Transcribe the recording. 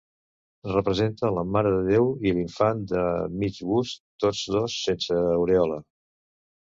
Representa la Mare de Déu i l’infant, de mig bust, tots dos sense aurèola.